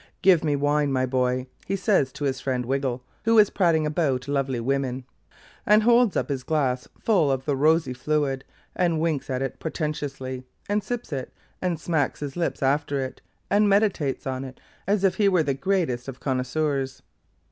'Give me wine, my boy,' says he to his friend Wiggle, who is prating about lovely woman; and holds up his glass full of the rosy fluid, and winks at it portentously, and sips it, and smacks his lips after it, and meditates on it, as if he were the greatest of connoisseurs.